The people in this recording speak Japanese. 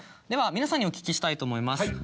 では皆さんにお聞きしたいと思います。